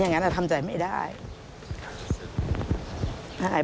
อย่างนั้นอะทำจัดไม่ได้